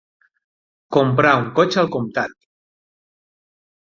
Comprar un cotxe al comptat.